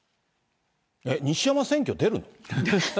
西山、選挙出るの？